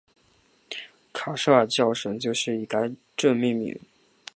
卡舍尔教省就是以该镇命名。